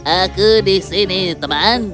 aku di sini teman